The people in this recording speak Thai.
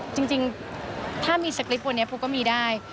จริงถ้ามีสคริปต์วันนี้ภูก็มีได้